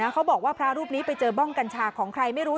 เขาบอกว่าพระรูปนี้ไปเจอบ้องกัญชาของใครไม่รู้